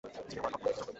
জিমে ওয়ার্কআউট করতে এসেছ?